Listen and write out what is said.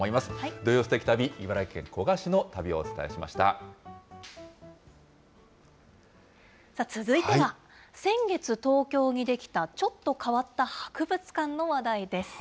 土曜すてき旅、続いては、先月東京に出来た、ちょっと変わった博物館の話題です。